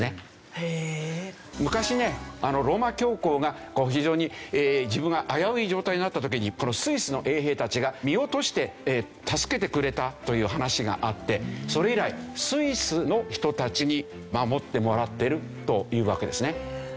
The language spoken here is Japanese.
昔ねローマ教皇が非常に自分が危うい状態になった時にこのスイスの衛兵たちが身を賭して助けてくれたという話があってそれ以来スイスの人たちに守ってもらってるというわけですね。